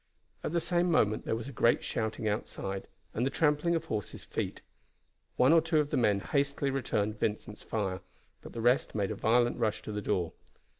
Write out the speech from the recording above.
At the same moment there was a great shouting outside, and the trampling of horses' feet. One or two of the men hastily returned Vincent's fire, but the rest made a violent rush to the door.